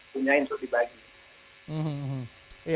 punya itu dibagi